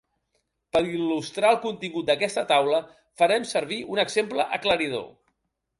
Per il·lustrar el contingut d'aquesta taula farem servir un exemple aclaridor.